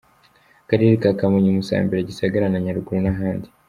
Akarere ka Kamonyi, Musambira, Gisagara na Nyaruguru n’ahandi …